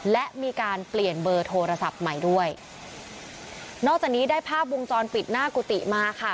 และมีการเปลี่ยนเบอร์โทรศัพท์ใหม่ด้วยนอกจากนี้ได้ภาพวงจรปิดหน้ากุฏิมาค่ะ